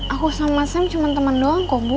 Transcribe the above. aku sama sam cuma temen doang kok bu